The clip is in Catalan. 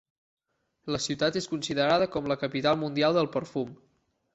La ciutat és considerada com la capital mundial del perfum.